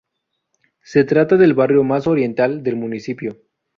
Se trata del barrio más oriental del municipio.